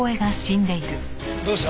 どうした？